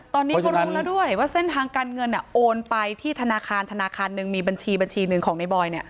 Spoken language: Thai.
ตอนนี้เขารู้แล้วด้วยว่าเส้นทางการเงินโอนไปที่ธนาคารธนาคารหนึ่งมีบัญชีบัญชีหนึ่งของในบอย